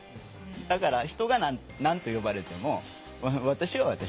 だから人が何と呼ばれても私は私ですよ。